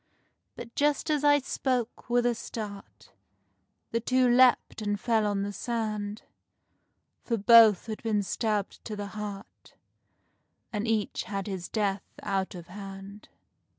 But just as I spoke, with a start, The two leapt and fell on the sand, For both had been stabbed to the heart And each had his death out of hand.